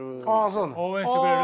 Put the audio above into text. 応援してくれる？